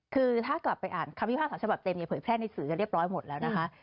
คือถ้ากลับไปอ่านคำพิพากษาฉบับเต็มเนี่ยเผยแพร่ในสื่อจะเรียบร้อยหมดแล้วนะคะ